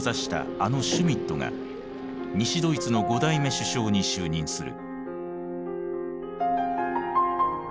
あのシュミットが西ドイツの５代目首相に就任する。